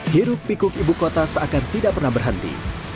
hiruk pikuk ibu kota seakan tidak pernah berhenti